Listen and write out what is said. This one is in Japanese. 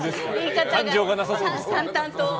淡々と。